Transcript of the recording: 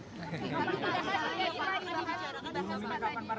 soal kandidat menteri apakah akan dilaporkan ke kpk untuk kemudian akan dibicarakan